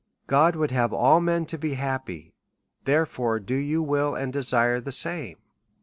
God would have all men to be happy ; therefore, do you will, and desire the same.